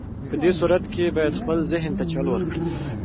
په دې صورت کې بايد خپل ذهن ته چل ورکړئ.